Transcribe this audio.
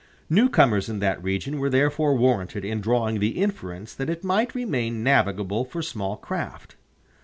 Newcomers in that region were therefore warranted in drawing the inference that it might remain navigable for small craft.